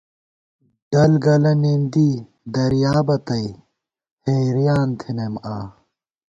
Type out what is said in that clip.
ڈل گَلہ ، نېندی ، دریابہ تئ حیریان تھنَئیم آں